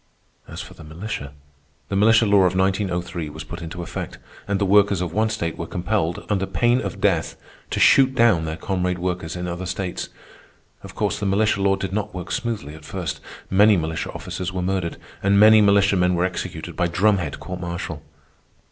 As for the militia, the militia law of 1903 was put into effect, and the workers of one state were compelled, under pain of death, to shoot down their comrade workers in other states. Of course, the militia law did not work smoothly at first. Many militia officers were murdered, and many militiamen were executed by drumhead court martial.